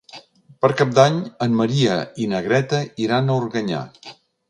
Per Cap d'Any en Maria i na Greta iran a Organyà.